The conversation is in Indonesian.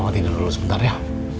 mau tidur dulu sebentar ya